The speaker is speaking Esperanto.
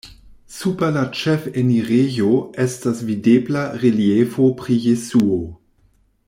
Super la ĉefenirejo estas videbla reliefo pri Jesuo.